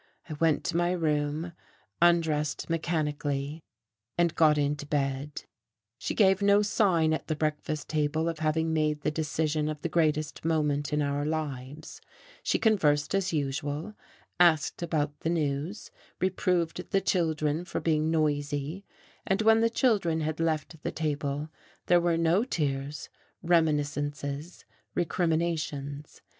I went to my room, undressed mechanically and got into bed.... She gave no sign at the breakfast table of having made the decision of the greatest moment in our lives; she conversed as usual, asked about the news, reproved the children for being noisy; and when the children had left the table there were no tears, reminiscences, recriminations.